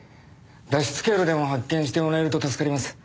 脱出経路でも発見してもらえると助かります。